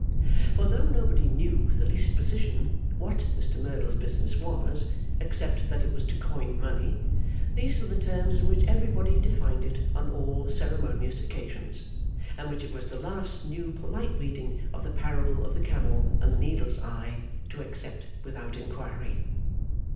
For, though nobody knew with the least precision what Mr Merdle's business was, except that it was to coin money, these were the terms in which everybody defined it on all ceremonious occasions, and which it was the last new polite reading of the parable of the camel and the needle's eye to accept without inquiry.